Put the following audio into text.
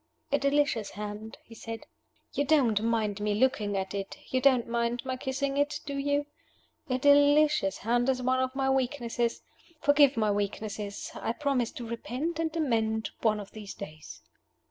"A delicious hand," he said; "you don't mind my looking at it you don't mind my kissing it, do you? A delicious hand is one of my weaknesses. Forgive my weaknesses. I promise to repent and amend one of these days."